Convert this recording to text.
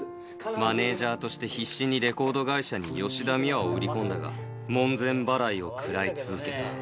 マネージャーとして必死にレコード会社に吉田美和を売り込んだが、門前払いを食らい続けた。